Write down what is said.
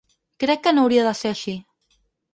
Crec que no hauria de ser així.